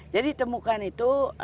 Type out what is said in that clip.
jadi temukan itu